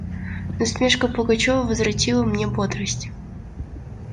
Насмешка Пугачева возвратила мне бодрость.